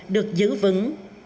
được giữ vững